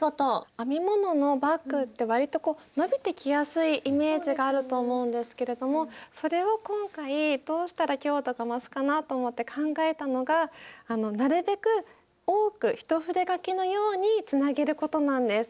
編み物のバッグってわりとこう伸びてきやすいイメージがあると思うんですけれどもそれを今回どうしたら強度が増すかなと思って考えたのがなるべく多く一筆書きのようにつなげることなんです。